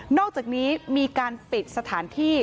อกจากนี้มีการปิดสถานที่